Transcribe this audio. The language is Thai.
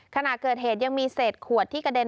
ขณะเกิดเหตุยังมีเศษขวดที่กระเด็น